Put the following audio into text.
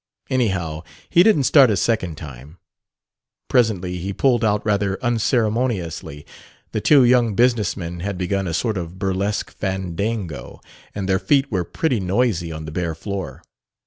Anyhow, he didn't start a second time. Presently he pulled out rather unceremoniously: the two young business men had begun a sort of burlesque fandango, and their feet were pretty noisy on the bare floor.